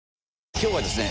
今日はですね